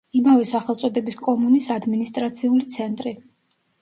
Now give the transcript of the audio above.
იმავე სახელწოდების კომუნის ადმინისტრაციული ცენტრი.